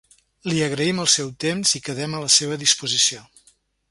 Li agraïm el seu temps i quedem a la seva disposició.